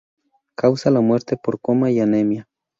Causa la muerte por coma y anemia.